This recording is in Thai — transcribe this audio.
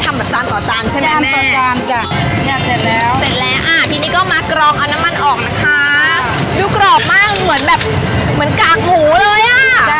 เสร็จแล้วอ่ะทีนี้ก็มากรองเอาน้ำมันออกนะคะดูกรอบมากเหมือนแบบเหมือนกากหมูเลยอ่ะ